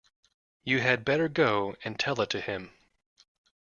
You had better go and tell it to him.